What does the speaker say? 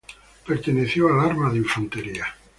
Perteneció al arma de infantería.